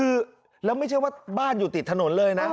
คือแล้วไม่ใช่ว่าบ้านอยู่ติดถนนเลยนะ